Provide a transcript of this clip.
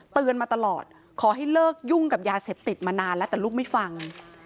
มาตลอดขอให้เลิกยุ่งกับยาเสพติดมานานแล้วแต่ลูกไม่ฟัง